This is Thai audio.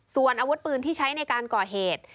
ส่วนอาวุธปืนที่ใช้ในการก่อเหตุ